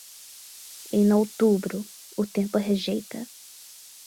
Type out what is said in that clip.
Em outubro, o tempo rejeita.